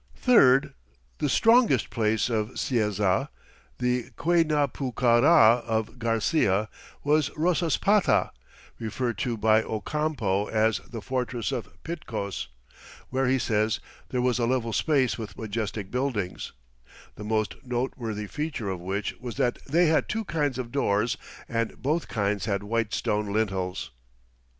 Third, the "strongest place" of Cieza, the Guaynapucará of Garcia, was Rosaspata, referred to by Ocampo as "the fortress of Pitcos," where, he says, "there was a level space with majestic buildings," the most noteworthy feature of which was that they had two kinds of doors and both kinds had white stone lintels.